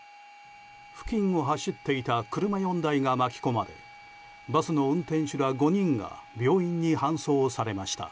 付近を走っていた車４台が巻き込まれバスの運転手ら５人が病院に搬送されました。